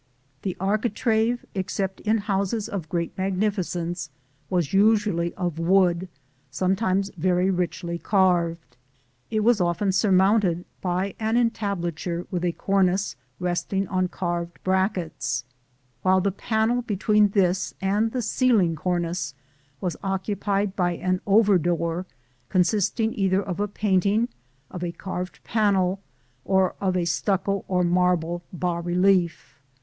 The architrave, except in houses of great magnificence, was usually of wood, sometimes very richly carved. It was often surmounted by an entablature with a cornice resting on carved brackets; while the panel between this and the ceiling cornice was occupied by an over door consisting either of a painting, of a carved panel or of a stucco or marble bas relief.